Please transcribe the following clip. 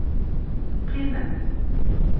Qqiment.